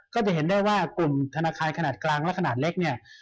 ก็จะเห็นได้ว่ากลุ่มธนาคารขนาดกลางและขนาดเล็กเนี่ย